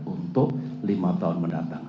untuk lima tahun mendatang